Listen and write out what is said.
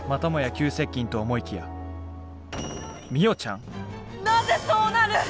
急接近と思いきやなぜそうなる！？